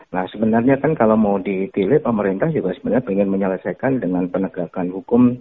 nah sebenarnya kan kalau mau ditilai pemerintah juga sebenarnya ingin menyelesaikan dengan penegakan hukum